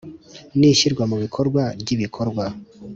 N ishyirwa mu bikorwa ry ibikorwa